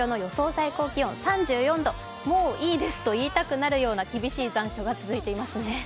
最高気温３４度、もういいですと言いたくなるような厳しい残暑が続いていますね。